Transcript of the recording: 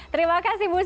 terima kasih bu susi